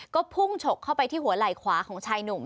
ก็พุ่งฉกเข้าไปที่หัวไหล่ขวาของชายหนุ่ม